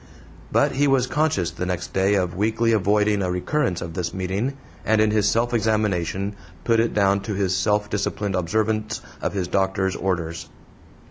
But he was conscious the next day of weakly avoiding a recurrence of this meeting, and in his self examination put it down to his self disciplined observance of his doctor's orders.